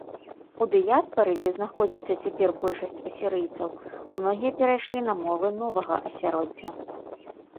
У дыяспары, дзе знаходзіцца цяпер большасць асірыйцаў, многія перайшлі на мовы новага асяроддзя.